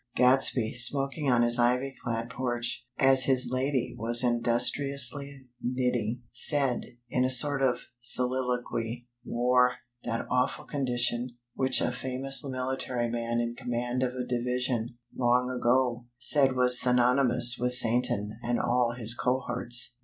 Gadsby, smoking on his ivy clad porch, as his Lady was industriously knitting, said, in a sort of soliloquy: "War! That awful condition which a famous military man in command of a division, long ago, said was synonymous with Satan and all his cohorts!